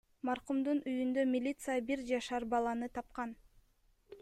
Маркумдун үйүндө милиция бир жашар баланы тапкан.